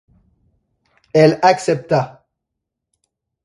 Elle accepta.